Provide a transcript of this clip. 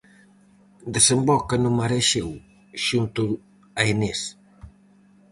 Desemboca no Mar Exeo, xunto a Enez.